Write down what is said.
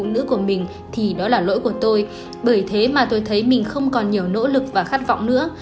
phụ nữ của mình thì đó là lỗi của tôi bởi thế mà tôi thấy mình không còn nhiều nỗ lực và khát vọng nữa